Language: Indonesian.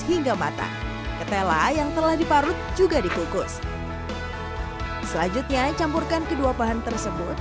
hingga matang ketela yang telah diparut juga dikukus selanjutnya campurkan kedua bahan tersebut